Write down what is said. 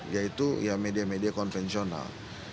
yaitu media media konvensional